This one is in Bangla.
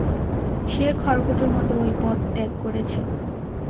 সে খড়কুটোর মত ঐ পদ ত্যাগ করেছে।